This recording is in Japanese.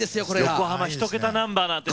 横浜一桁ナンバーなんて。